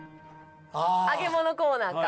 揚げ物コーナーか。